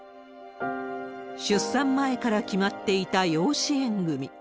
出産前から決まっていた養子縁組み。